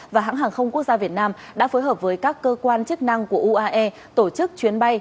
và hãng hàng không quốc gia việt nam đã phối hợp với các cơ quan chức năng của uae tổ chức chuyến bay